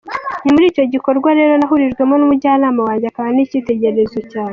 Ni muri icyo gikorwa rero nahurijwemo n’umujyanama wanjye akaba n’icyitegererezo cyanjye.